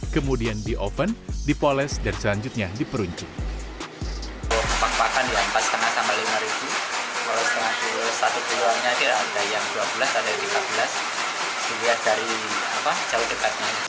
kemudian di oven dipoles dan selanjutnya diperuncing